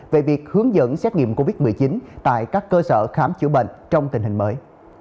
về việc hướng dẫn xét nghiệm covid một mươi chín tại các cơ sở khám chữa bệnh trong tình hình mới